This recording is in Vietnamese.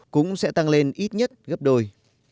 cũng sẽ tăng lên ít nhất gấp đôi